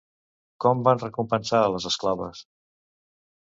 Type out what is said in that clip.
Com van recompensar a les esclaves?